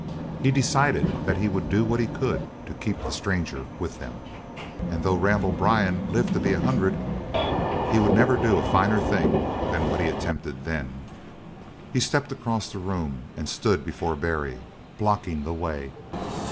He decided that he would do what he could to keep the stranger with them, and though Randall Byrne lived to be a hundred he would never do a finer thing than what he attempted then. He stepped across the room and stood before Barry, blocking the way.